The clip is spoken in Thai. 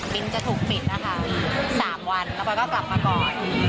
บินจะถูกปิดนะคะ๓วันแล้วก็กลับมาก่อน